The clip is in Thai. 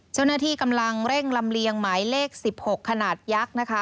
เจ้าหน้าที่กำลังเร่งลำเลียงหมายเลข๑๖ขนาดยักษ์นะคะ